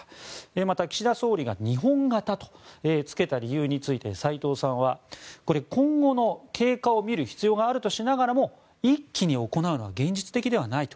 また、岸田総理が日本型とつけた理由について斎藤さんはこれ、今後の経過を見る必要があるとしながらも一気に行うのは現実的ではないと。